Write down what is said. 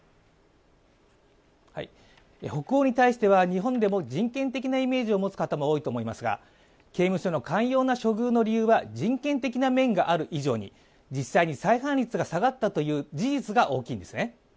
北欧に対しては日本でも人権的なイメージを持つ方も多いと思いますが刑務所の寛容な処遇の理由は人権的な面がある以上に実際に再犯率が下がったという事実が大きいんですね。